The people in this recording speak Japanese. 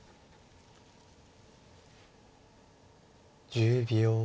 １０秒。